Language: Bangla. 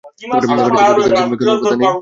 বাড়িতে পৌঁছে দেওয়ার কী কোনো প্রথা নেই?